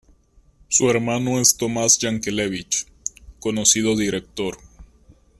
Su hermano es Tomás Yankelevich, conocido director.